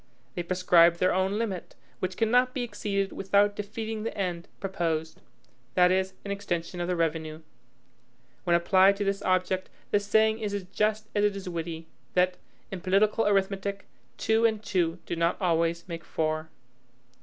They prescribe their own limit; which cannot be exceeded without defeating the end proposed, that is, an extension of the revenue. When applied to this object, the saying is as just as it is witty, that, "in political arithmetic, two and two do not always make four."